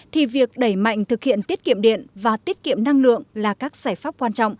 thì việc đẩy mạnh thực hiện tiết kiệm điện và tiết kiệm năng lượng là các giải pháp quan trọng